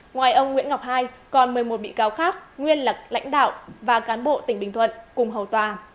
ngoài ông nguyễn ngọc hai còn một mươi một bị cáo khác nguyên là lãnh đạo và cán bộ tỉnh bình thuận cùng hầu tòa